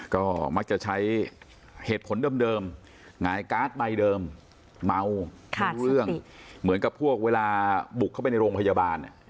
ก็มักจะใช้เหตุผลเดิมหลายการท์ใบเดิมเม้าผู้เรื่องเหมือนกับพวกเรากลับที่โรงพยาบาล